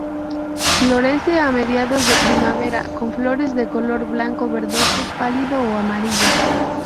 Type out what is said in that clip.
Florece a mediados de primavera con flores de color blanco verdoso pálido o amarillo.